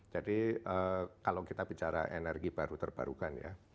jadi kalau kita bicara energi baru terbarukan ya